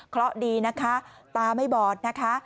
เพราะดีนะคะตาไม่บอดนะคะ